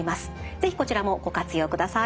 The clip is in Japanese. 是非こちらもご活用ください。